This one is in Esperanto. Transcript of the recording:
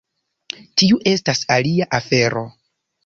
Tiu estas alia afero.